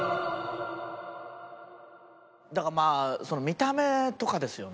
だからまあ見た目とかですよね。